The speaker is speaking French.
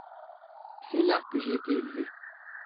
C’est là que j’ai été élevé…